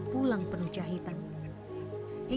baru e book nya ceritain